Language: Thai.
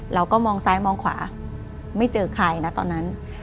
เราก็มองซ้ายมองขวาไม่เจอใครนะตอนนั้น